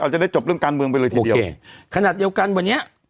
จะได้จบเรื่องการเมืองไปเลยทีเดียวขนาดเดียวกันวันนี้